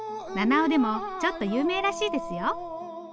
七尾でもちょっと有名らしいですよ。